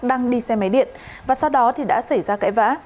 đang đi xe máy điện và sau đó thì đã xảy ra cãi vã